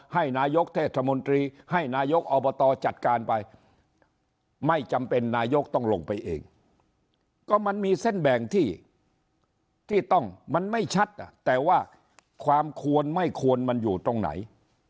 ให้นายกเทศมนตรีให้นายกอบตจัดการไปไม่จำเป็นนายกต้องลงไปเองก็มันมีเส้นแบ่งที่ต้องมันไม่ชัดแต่ว่าความควรไม่ควรมันอยู่ตรงไหน